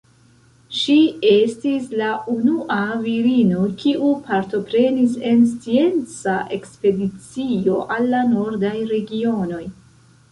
Ŝi estis la unua virino kiu partoprenis en scienca ekspedicio al la nordaj regionoj.